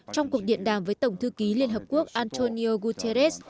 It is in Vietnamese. trong cuộc điện đàm với tổng thư ký liên hợp quốc antonio guterres